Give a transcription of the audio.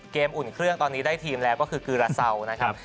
อุ่นเครื่องตอนนี้ได้ทีมแล้วก็คือกีราเซานะครับ